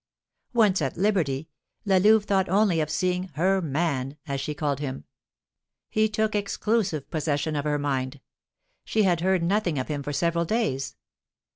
Once at liberty, La Louve thought only of seeing "her man," as she called him. He took exclusive possession of her mind; she had heard nothing of him for several days.